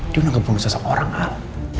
dia udah ngebunuh seseorang al